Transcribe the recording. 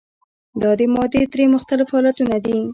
دا د مادې درې مختلف حالتونه دي.